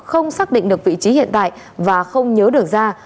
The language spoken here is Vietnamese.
không xác định được vị trí hiện tại và không nhớ được ra